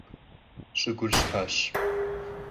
Ş'ıgur ştaş.